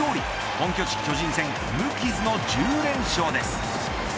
本拠地巨人戦無傷の１０連勝です。